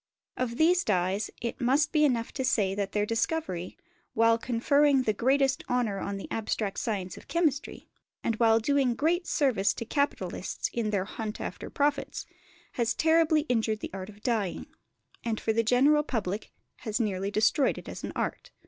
Of these dyes it must be enough to say that their discovery, while conferring the greatest honour on the abstract science of chemistry, and while doing great service to capitalists in their hunt after profits, has terribly injured the art of dyeing, and for the general public has nearly destroyed it as an art.